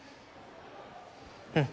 うん。